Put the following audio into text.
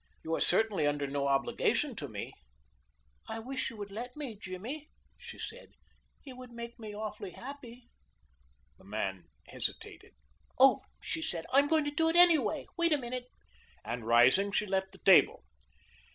You are certainly under no obligation to me." "I wish you would let me, Jimmy," she said. "It would make me awfully happy!" The man hesitated. "Oh," she said, "I'm going to do it, anyway. Wait a minute," and, rising, she left the table.